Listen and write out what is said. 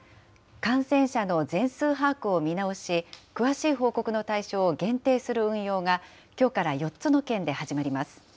感染者の全数把握を見直し、詳しい報告の対象を限定する運用が、きょうから４つの県で始まります。